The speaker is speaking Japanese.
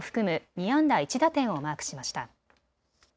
２安打１打点をマークしました。